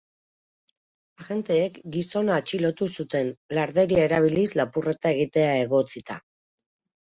Agenteek gizona atxilotu zuten, larderia erabiliz lapurreta egitea egotzita.